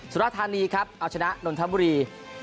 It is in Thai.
รธานีครับเอาชนะนนทบุรี